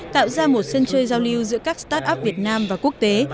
tạo ra một sân chơi giao lưu giữa các start up việt nam và quốc tế